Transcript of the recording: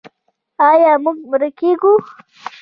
آیا موږ مړه کیږو؟